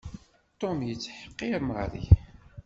Tom yettḥeqqiṛ Mary.